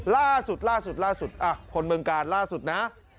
ล่าสุดคนเมืองกาจล่าสุดนะ